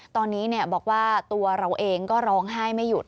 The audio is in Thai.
ตอนนี้บอกว่าตัวเราเองก็ร้องไห้ไม่หยุด